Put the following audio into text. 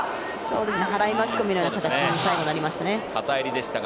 払い巻き込みのような形に最後、なりましたね。